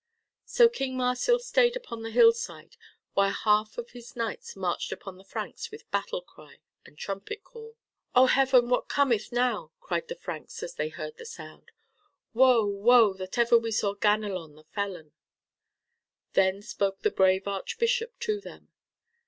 So King Marsil stayed upon the hillside while half of his knights marched upon the Franks with battle cry and trumpet call. "Oh Heaven, what cometh now!" cried the Franks as they heard the sound. "Wo, wo, that ever we saw Ganelon the felon." Then spoke the brave archbishop to them.